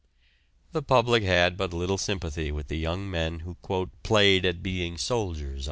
The public had but little sympathy with the young men who "played at being soldiers."